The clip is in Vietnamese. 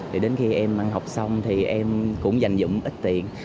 thì đến khi em học xong thì em cũng dành dụng ít tiền